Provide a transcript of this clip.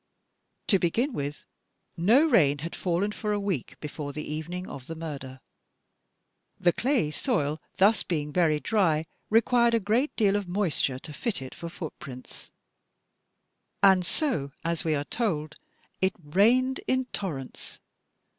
To begin with: "No rain had fallen for a week before the evening of the murder." The clayey soil thus being very dry required a great deal of moisture to fit it for footprints, and so, as we are told, "It rained in torrents."